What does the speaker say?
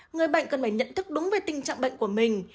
người bệnh cần phải nhận thức đúng về tình trạng bệnh của mình